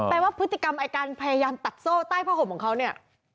ว่าพฤติกรรมไอ้การพยายามตัดโซ่ใต้ผ้าห่มของเขาเนี่ย